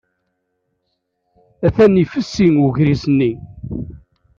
Atan ifessi ugris-nni.